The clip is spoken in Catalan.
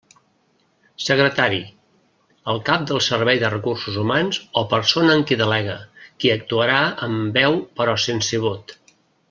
Secretari: el cap del servei de Recursos Humans o persona en qui delega, qui actuarà amb veu però sense vot.